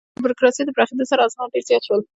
د بروکراسي د پراخېدو سره، اسناد ډېر زیات شول.